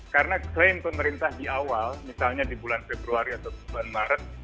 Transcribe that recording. karena klaim pemerintah di awal misalnya di bulan februari atau bulan maret